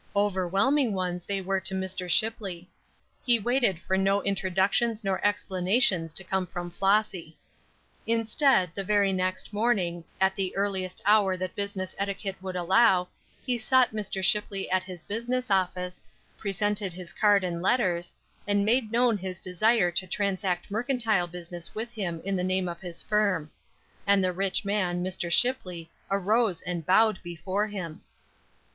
Overwhelming ones they were to Mr. Shipley. He waited for no introductions nor explanations to come from Flossy. Instead, the very next morning, at the earliest hour that business etiquette would allow, he sought Mr. Shipley at his business office, presented his card and letters, and made known his desire to transact mercantile business with him in the name of his firm. And the rich man, Mr. Shipley, arose and bowed before him.